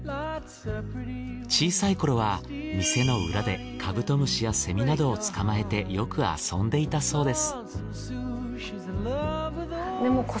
小さいころは店の裏でカブトムシやセミなどを捕まえてよく遊んでいたそうです。